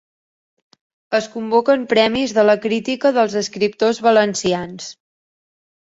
Es convoquen Premis de la Crítica dels Escriptors Valencians